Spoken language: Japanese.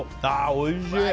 おいしい。